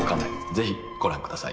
ぜひご覧下さい。